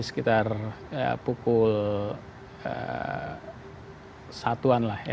sekitar pukul satu an lah ya